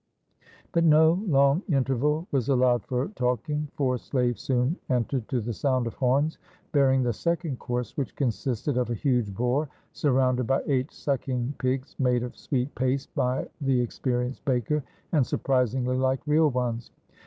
But no long interval was allowed for talking. Four slaves soon entered to the sound of horns, bearing the second course, which consisted of a huge boar, sur rounded by eight sucking pigs, made of sweet paste, by the experienced baker, and surprisingly like real ones.